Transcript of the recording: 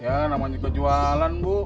ya namanya kejualan bu